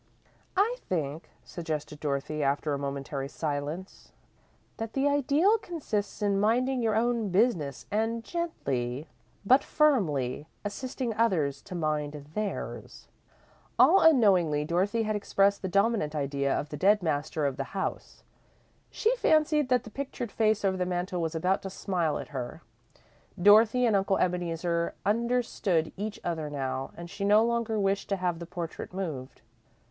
"I think," suggested Dorothy, after a momentary silence, "that the Ideal consists in minding your own business and gently, but firmly, assisting others to mind theirs." All unknowingly, Dorothy had expressed the dominant idea of the dead master of the house. She fancied that the pictured face over the mantel was about to smile at her. Dorothy and Uncle Ebeneezer understood each other now, and she no longer wished to have the portrait moved.